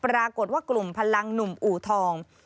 ปรากฏว่ากลุ่มพลังหนุ่มอู่ทอง